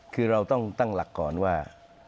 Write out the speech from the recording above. คือเราต้องตั้งหลักก่อนว่า